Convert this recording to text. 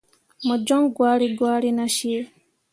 Mo joŋ gwari gwari nah cii.